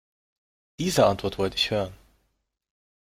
Diese Antwort wollte ich hören.